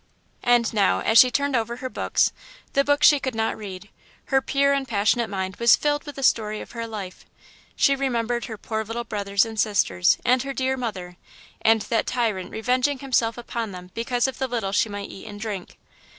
And now, as she turned over her books the books she could not read her pure and passionate mind was filled with the story of her life. She remembered her poor little brothers and sisters and her dear mother, and that tyrant revenging himself upon them because of the little she might eat and drink.